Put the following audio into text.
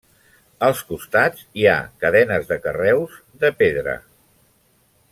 Als costats hi ha cadenes de carreus de pedra.